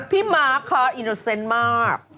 พี่มาร์คค่ะอิโนเซนต์มาก